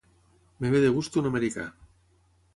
Em ve de gust un americà.